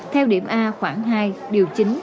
theo điểm a khoảng hai điều chính